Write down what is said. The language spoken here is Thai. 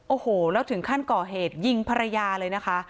โอ้โหแล้วถึงขั้นก่อเหตุยิงภรรยาเลยนะคะ